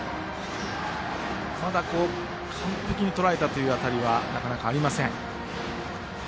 まだ完璧にとらえた当たりはなかなか、ありません。